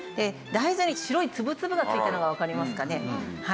大豆に白い粒々が付いてるのがわかりますかね。